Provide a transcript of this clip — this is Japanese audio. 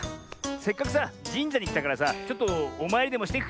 せっかくさじんじゃにきたからさちょっとおまいりでもしていくか。